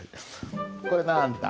これなんだ？